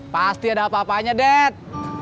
pasti ada apa apanya ded